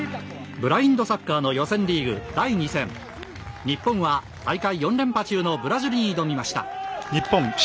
ブラインドサッカーの予選リーグ第２戦日本は大会４連覇中のブラジルに挑みました。